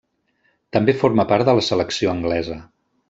També forma part de la selecció anglesa.